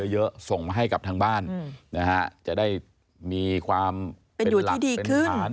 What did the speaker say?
ส่งมาให้กับทางบ้านนะฮะจะได้มีความเป็นหลักเป็นฐาน